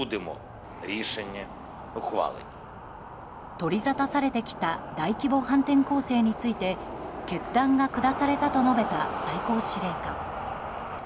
取りざたされてきた大規模反転攻勢について決断が下されたと述べた最高司令官。